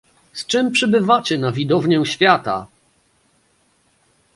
Z czym przybywacie na widownię świata?